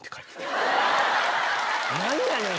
何やねん！